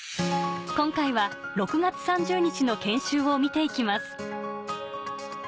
今回は６月３０日の研修を見て行きます